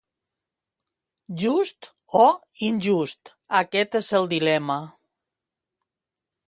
Just o injust, aquest és el dilema,